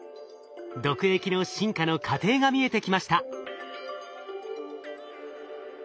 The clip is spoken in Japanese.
毒液の進化の過程が見えてきました。